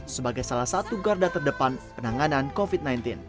sebagai salah satu garda terdepan penanganan covid sembilan belas